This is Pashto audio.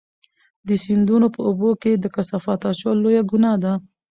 د سیندونو په اوبو کې د کثافاتو اچول لویه ګناه ده.